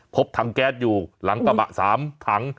พบถังแก๊สอยู่หลังกระบะ๓ถัง